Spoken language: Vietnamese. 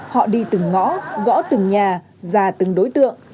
họ đi từng ngõ gõ từng nhà già từng đối tượng